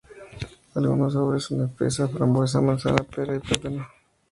Algunos sabores son de fresa, frambuesa, manzana, pera y plátano.